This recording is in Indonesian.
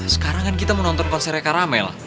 sekarang kan kita mau nonton konsernya caramel